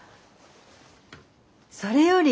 それより。